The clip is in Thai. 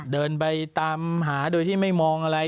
เดินไปตามหาโดยที่ไม่มองอะไร